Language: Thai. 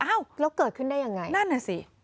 อ้าวนั่นน่ะสิแล้วเกิดขึ้นได้อย่างไร